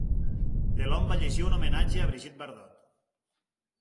Delon va llegir un homenatge a Brigitte Bardot.